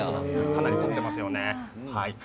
かなり凝ってますよね。